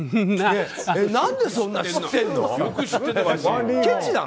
何でそんな知ってるの？